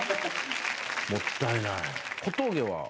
もったいない。